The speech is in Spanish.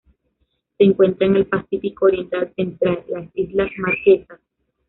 Se encuentra en el Pacífico oriental central: las Islas Marquesas.